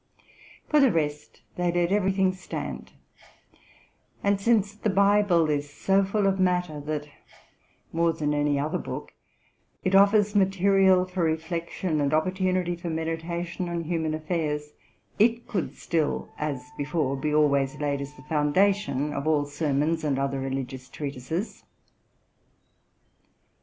For the rest, they let every thing stand ; and since the Bible s so full of matter, that, more than any other book, it offers material fer reflection and opportunity for meditation on human affairs, it could still, as before, be always laid as the foundation of all sermons and other religious treatises.